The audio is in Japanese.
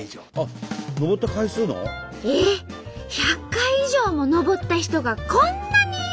１００回以上も登った人がこんなにいるの？